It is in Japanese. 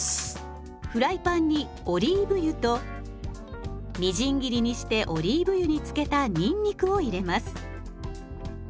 フライパンにオリーブ油とみじん切りにしてオリーブ油に漬けたにんにくを入れます。